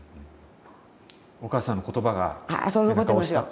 お母さんの言葉が背中を押したと。